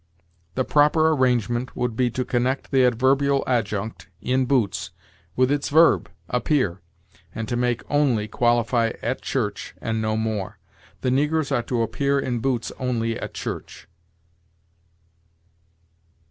The proper arrangement would be to connect the adverbial adjunct, in boots, with its verb, appear, and to make only qualify at church and no more: 'the negroes are to appear in boots only at church.'"